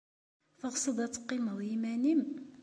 Teɣseḍ ad teqqimeḍ i yiman-nnem?